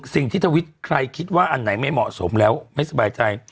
สิ่งที่จะวิจัยใครคิดว่าอันไหนไม่เหมาะสมแล้วไม่สบายใจ